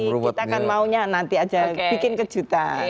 kita kan maunya nanti aja bikin kejutan